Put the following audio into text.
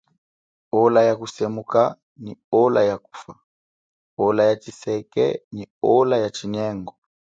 Ola ya kusemuka nyi ola ya kufa ola ya chiseke nyi ola ya tshinyengo.